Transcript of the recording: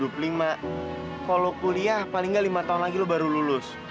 kalau kuliah paling nggak lima tahun lagi lo baru lulus